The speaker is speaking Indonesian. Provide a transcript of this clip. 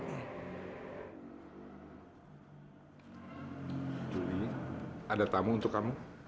juli ada tamu untuk kamu